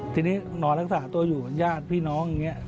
ทีนี้นอนรักษาตัวอยู่ญาติพี่น้องอย่างนี้